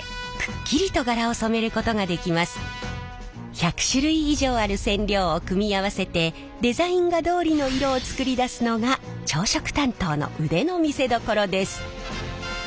１００種類以上ある染料を組み合わせてデザイン画どおりの色を作り出すのが調色担当の腕の見せどころです。